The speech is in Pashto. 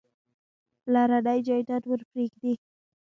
پلرنی جایداد ورپرېږدي.